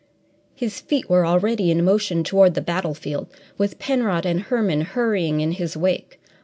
His feet were already in motion toward the battlefield, with Penrod and Herman hurrying in his wake.